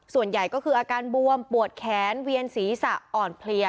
ส่วนใหญ่ก็คืออาการบวมปวดแขนเวียนศีรษะอ่อนเพลีย